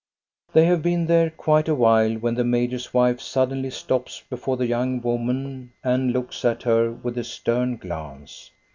They have been there quite a while when the major's wife suddenly stops before the young woman and looks at her with a stern glance.